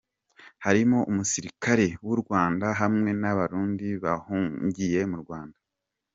"Harimwo umusirikare w'Urwanda hamwe n'abarundi bahungiye mu Rwanda.